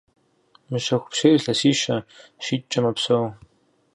Мыщэхупщейр илъэсищэ – щитӏкӏэ мэпсэу.